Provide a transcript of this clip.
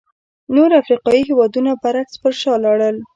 نور افریقایي هېوادونه برعکس پر شا لاړل.